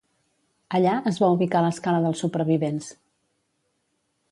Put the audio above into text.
Allà es va ubicar l'escala dels supervivents.